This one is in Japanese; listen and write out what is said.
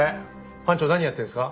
班長何やってるんですか？